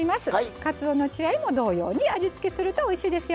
かつおの血合いも同様に味付けするとおいしいですよ。